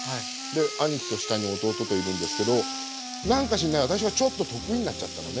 兄貴と下に弟といるんですけど何か知んない私がちょっと得意になっちゃったのね